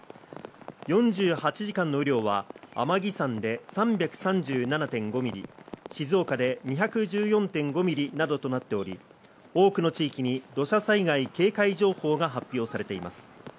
４８時間の雨量は天城山で３３７．５ミリ、静岡で２１４．５ミリなどとなっており、多くの地域に土砂災害警戒情報が発表されています。